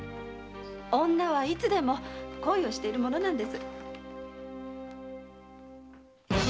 女はいつでも恋をしているものなんです。